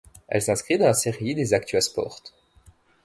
Elle s'inscrit dans la série des Actua Sports.